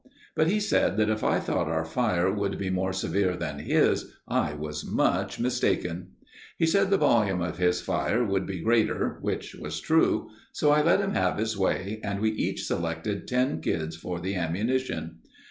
But he said that if I thought our fire would be more severe than his, I was much mistaken. He said the volume of his fire would be greater, which was true. So I let him have his way, and we each selected ten kids for the ammunition.